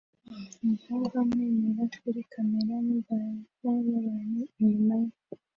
Umukobwa amwenyura kuri kamera n'imbaga y'abantu inyuma ye